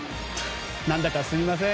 何だかすみません。